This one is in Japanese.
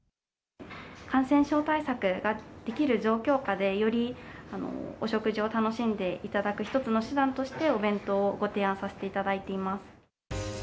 感染症対策ができる状況下でよりお食事を楽しんでいただく一つの手段として、お弁当をご提案させていただいています。